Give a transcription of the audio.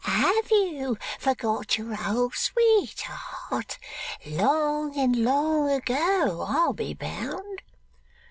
Have you forgot your old sweetheart? Long and long ago, I'll be bound.